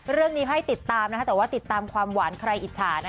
เรื่องนี้ให้ติดตามนะคะแต่ว่าติดตามความหวานใครอิจฉา